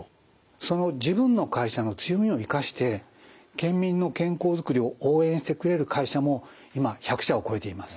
その自分の会社の強みを生かして県民の健康づくりを応援してくれる会社も今１００社を超えています。